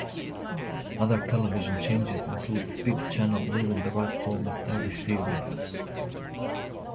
Other television changes include Speed Channel losing the rights to almost every series.